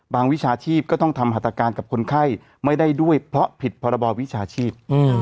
วิชาชีพก็ต้องทำหัตการณ์กับคนไข้ไม่ได้ด้วยเพราะผิดพรบวิชาชีพ